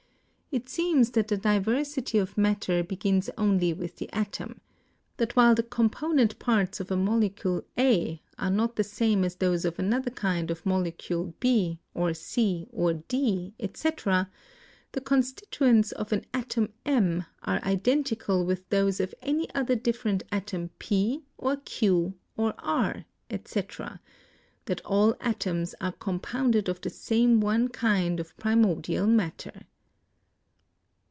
It seems that the diversity of matter be gins only with the atom: that while the component parts of a molecule A are not the same as those of another kind of molecule B, or C, or D, etc., the constituents of an atom M are identical with those of any other different atom P, or Q, or R, etc.; that all atoms are compounded of the same one kind of primordial matter."